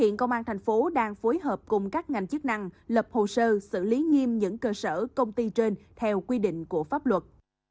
hiện công an thành phố đang phối hợp cùng các ngành chức năng lập hồ sơ xử lý nghiêm những cơ sở công ty trên theo quy định của pháp luật